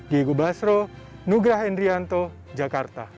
di igu basro nugraha endrianto jakarta